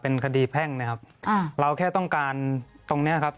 เป็นคดีแพ่งนะครับอ่าเราแค่ต้องการตรงเนี้ยครับ